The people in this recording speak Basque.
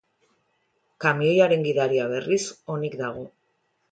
Kamioiaren gidaria, berriz, onik dago.